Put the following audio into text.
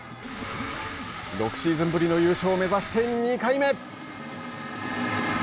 ６シーズンぶりの優勝を目指して２回目。